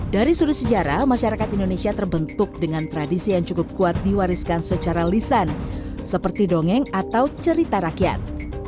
dari sudut sejarah masyarakat indonesia terbentuk dengan tradisi yang cukup kuat diwariskan secara lisan seperti dongeng atau cerita rakyat